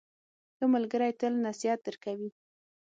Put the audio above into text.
ښه ملګری تل نصیحت درکوي.